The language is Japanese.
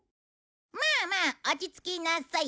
まあまあ落ち着きなさい。